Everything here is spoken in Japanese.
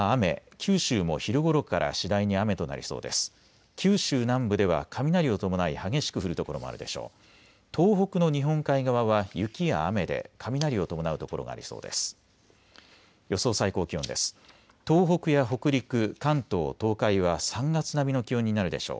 九州南部では雷を伴い激しく降る所もあるでしょう。